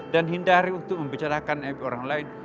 dan hindari untuk membicarakan aib orang lain